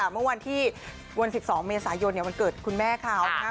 แต่เมื่อวันที่วัน๑๒เมษายนเนี่ยวันเกิดคุณแม่ข่าวนะฮะ